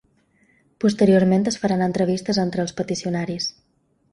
Posteriorment es faran entrevistes entre els peticionaris.